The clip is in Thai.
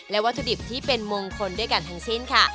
และวัตถุดิบที่เป็นมงคลด้วยกันทั้งสิ้นค่ะ